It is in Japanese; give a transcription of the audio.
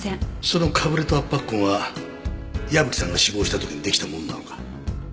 そのかぶれと圧迫痕は矢吹さんが死亡した時にできたものなのか？